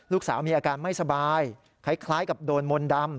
ลูกสาวมีอาการไม่สบายคล้ายกับโดนมนต์ดำ